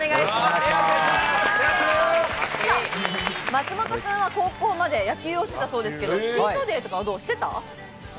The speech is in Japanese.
松本くんは高校まで野球をしてたそうですけど、チートデイとかはしてた？